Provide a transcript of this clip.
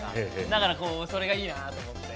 だから、それがいいなと思って。